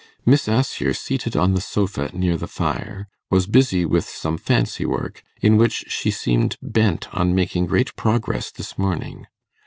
Miss Assher, seated on the sofa near the fire, was busy with some fancy work, in which she seemed bent on making great progress this morning.